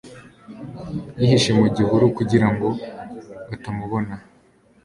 yihishe mu gihuru kugira ngo batamubona